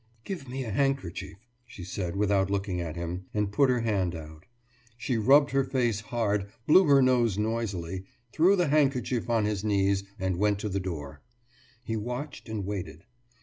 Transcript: »Give me a handkerchief,« she said, without looking at him, and put her hand out. She rubbed her face hard, blew her nose noisily, threw the handkerchief on his knees, and went to the door. He watched and waited.